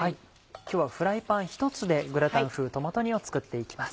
今日はフライパンひとつでグラタン風トマト煮を作って行きます。